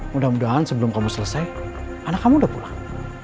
mudah mudahan sebelum kamu selesai anak kamu udah pulang